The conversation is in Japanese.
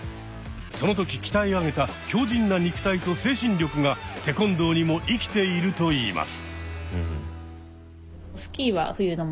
その時鍛え上げた強じんな肉体と精神力がテコンドーにも生きているといいます。